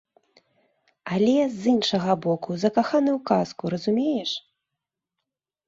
Але, з іншага боку, закаханы ў казку, разумееш?